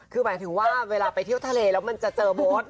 คือหมายถึงว่าเวลาไปเที่ยวทะเลแล้วมันจะเจอมด